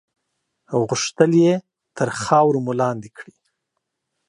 غوښتل یې تر خاورو مو لاندې کړي.